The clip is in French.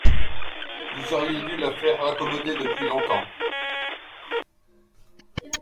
Vous auriez dû la faire raccommoder depuis longtemps.